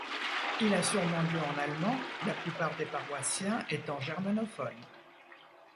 Il a sûrement lieu en allemand, la plupart des paroissiens étant germanophones.